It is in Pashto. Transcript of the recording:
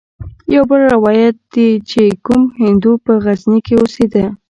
يو بل روايت ديه چې کوم هندو په غزني کښې اوسېده.